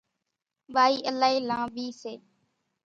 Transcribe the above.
ٻائِي الائِي لانٻِي سي۔